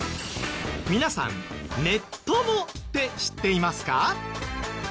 皆さん「ネッ友」って知っていますか？